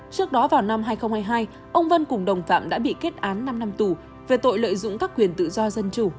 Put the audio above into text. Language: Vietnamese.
trước đó vào năm hai nghìn hai mươi hai ông vân cùng đồng phạm đã bị kết án năm năm tù về tội lợi dụng các quyền tự do dân chủ